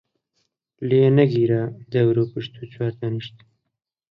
لێی نەگیرا دەوروپشت و چوار تەنیشت،